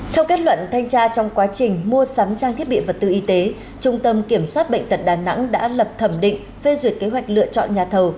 theo kết luận thanh tra trong quá trình mua sắm trang thiết bị vật tư y tế trung tâm kiểm soát bệnh tật đà nẵng đã lập thẩm định phê duyệt kế hoạch lựa chọn nhà thầu